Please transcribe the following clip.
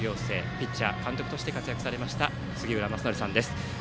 ピッチャー、監督として活躍されました杉浦正則さんです。